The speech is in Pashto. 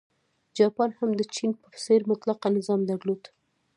جاپان هم د چین په څېر مطلقه نظام درلود.